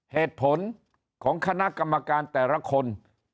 เหตุผลของคณะกรรมการแต่ละคน